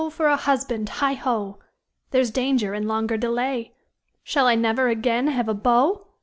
for a husband! Heigh ho! There's danger in longer delay! Shall I never again have a beau?